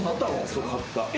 そう買った。